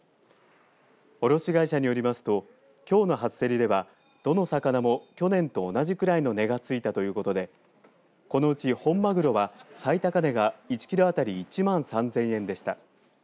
卸会社によりますときょうの初競りではどの魚も去年と同じくらいの値がついたということでこのうち、本まぐろは最高値が１キロ当たり１万３０００円でした。